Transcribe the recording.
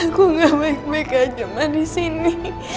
aku gak baik baik aja ma disini